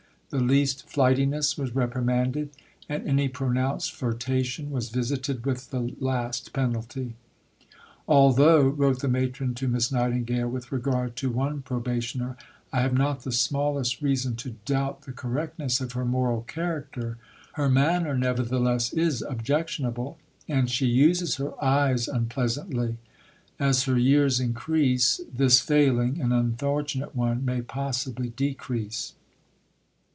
The least flightiness was reprimanded, and any pronounced flirtation was visited with the last penalty. "Although," wrote the Matron to Miss Nightingale, with regard to one probationer, "I have not the smallest reason to doubt the correctness of her moral character, her manner, nevertheless, is objectionable, and she uses her eyes unpleasantly; as her years increase, this failing an unfortunate one may possibly decrease."